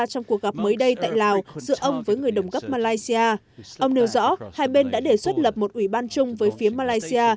trong cuộc gặp mới đây tại lào giữa ông với người đồng cấp malaysia ông nêu rõ hai bên đã đề xuất lập một ủy ban chung với phía malaysia